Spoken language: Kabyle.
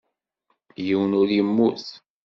Yiwen ur yemmut.